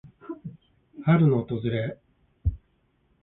春の訪れ。